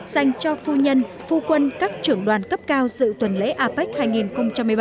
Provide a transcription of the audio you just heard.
dành cho phu nhân phu quân các trưởng đoàn cấp cao dự tuần lễ apec hai nghìn một mươi bảy